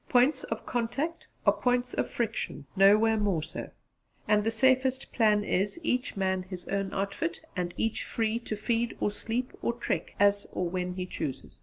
Points of contact are points of friction nowhere more so; and the safest plan is, each man his own outfit and each free to feed or sleep or trek as and when he chooses.